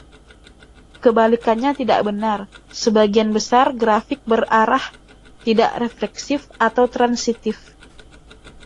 Kebalikannya tidak benar: sebagian besar grafik berarah tidak refleksif atau transitif.